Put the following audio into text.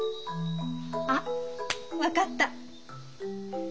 あっ分かった！